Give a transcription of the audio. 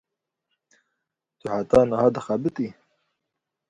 Tu heta niha dixebitî?